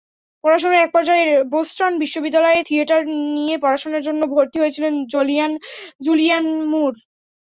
পড়াশোনার একপর্যায়ে বোস্টন বিশ্ববিদ্যালয়ে থিয়েটার নিয়ে পড়াশোনার জন্য ভর্তি হয়েছিলেন জুলিয়ান মুর।